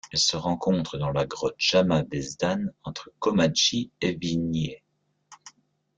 Elle se rencontre dans la grotte Jama Bezdan entre Komaji et Vignje.